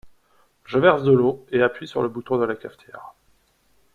Je verse l’eau et appuie sur le bouton de la cafetière.